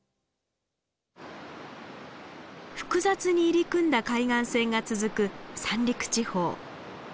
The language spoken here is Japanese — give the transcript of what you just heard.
複雑に入り組んだ海岸線が続く三陸地方。